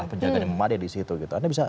penjagaan yang memadai disitu gitu anda bisa